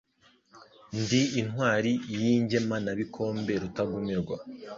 ndi intwali y'ingemanabikombe, Rutagumirwa